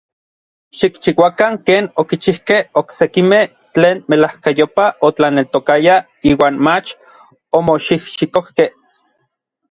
Xikchiuakan ken okichijkej oksekimej tlen melajkayopaj otlaneltokayaj iuan mach omoxijxikojkej.